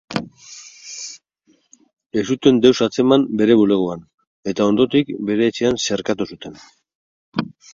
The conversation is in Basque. Ez zuten deus atzeman bere bulegoan, eta ondotik bere etxean xerkatu zuten.